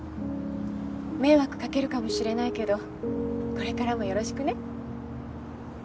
迷惑かけるかもしれないけどこれからもよろしくね。